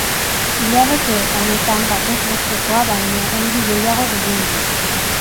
Hilabete honetan batez bestekoa baino euri gehiago egin du.